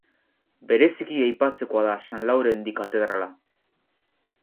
Bereziki aipatzekoa da San Laurendi katedrala.